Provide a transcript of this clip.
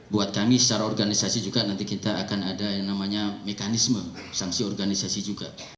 buat kami secara organisasi juga nanti kita akan ada yang namanya mekanisme sanksi organisasi juga